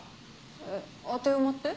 えっ当て馬って？